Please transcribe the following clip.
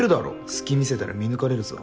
隙見せたら見抜かれるぞ